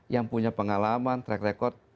yang punya pengalaman track record